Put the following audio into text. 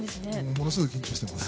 ものすごい緊張しています。